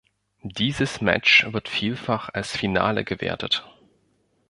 Dieses Match wird vielfach als Finale gewertet.